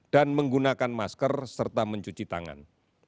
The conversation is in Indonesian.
dan menggunakan masker serta mencuci tangan